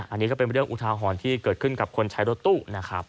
อันนี้ก็เป็นเรื่องอุทาหรณ์ที่เกิดขึ้นกับคนใช้รถตู้นะครับ